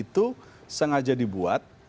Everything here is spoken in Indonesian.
itu sengaja dibuat